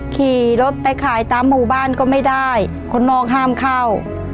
ขี่รถไปขายตามหมู่บ้านก็ไม่ได้คนนอกห้ามเข้า